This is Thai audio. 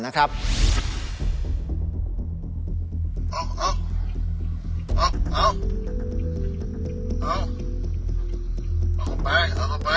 เอาละไป